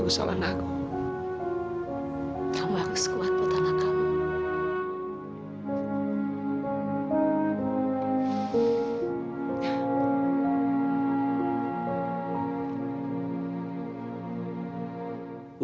kamu harus kuat betul betul